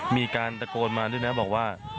มีการตะโกนมาด้วยนะบอกว่า